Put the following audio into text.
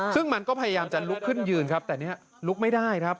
ซึ่งมันก็พยายามจะลุกขึ้นยืนครับแต่เนี่ยลุกไม่ได้ครับ